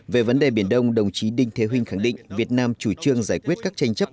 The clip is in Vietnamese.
về vấn đề biển đông đồng chí đinh thế huỳnh khẳng định việt nam chủ trương giải quyết các tranh chấp